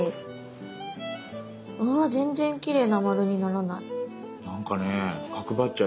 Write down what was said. うわ全然きれいな丸にならない。